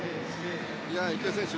池江選手